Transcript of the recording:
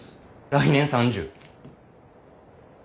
来年３０。